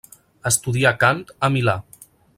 Estudià cant a Milà.